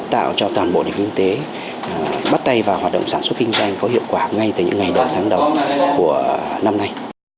tạo cho toàn bộ đỉnh kinh tế bắt tay vào hoạt động sản xuất kinh doanh có hiệu quả ngay từ những ngày đầu tháng đầu của năm nay